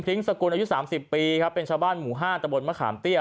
พลิ้งสกุลอายุสามสิบปีครับเป็นชาวบ้านหมู่ห้าตะบดมะขามเตี้ยม